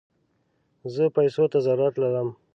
زه پيسوته ضرورت لم